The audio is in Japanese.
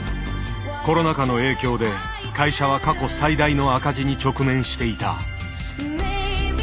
コロナ禍の影響で会社は過去最大の赤字に直面していた。